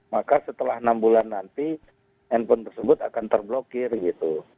maka setelah enam bulan nanti handphone tersebut akan terblokir gitu